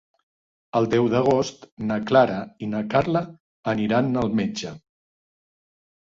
El deu d'agost na Clara i na Carla aniran al metge.